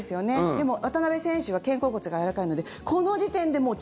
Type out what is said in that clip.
でも、渡辺選手は肩甲骨がやわらかいのですごい！